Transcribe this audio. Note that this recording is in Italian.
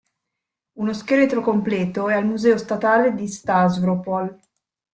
Uno scheletro completo è al museo statale di Stavropol'.